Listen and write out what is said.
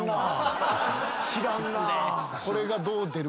知らんなぁ。